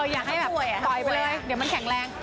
อยากให้ปล่อยไปเลยเดี๋ยวแข็งแรง